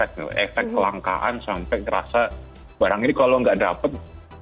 akan scarcity effect efek kelangkaan sampai terasa barang ini kalau nggak dapat